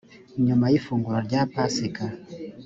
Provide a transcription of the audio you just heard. nyuma y ifunguro rya pasika